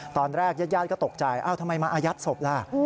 ตอนแรกยักษ์ยาดก็ตกใจทำไมมาอายัดศพล่ะ